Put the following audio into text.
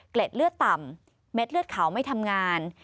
เลือดต่ำเม็ดเลือดขาวไม่ทำงาน